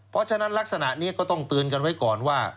เพราะฉะนั้นลักษณะนี้ก็ต้องเตือนกันไว้ก่อนว่า